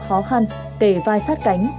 khó khăn kề vai sát cánh